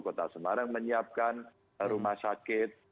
kota semarang menyiapkan rumah sakit